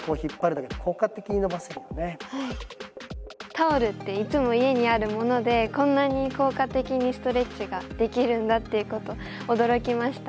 タオルっていつも家にあるものでこんなに効果的にストレッチができるんだっていうことに驚きました。